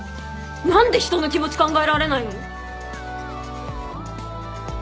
何で人の気持ち考えられないの？